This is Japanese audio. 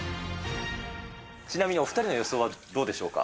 ちなみにお２人の予想はどうでしょうか。